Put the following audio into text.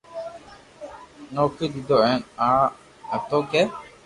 نوکي ديدو ھين او آ ھتو ڪي